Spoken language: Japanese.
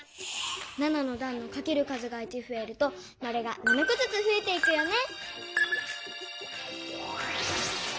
７のだんのかける数が１ふえるとマルが７こずつふえていくよね。